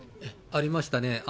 ありましたね。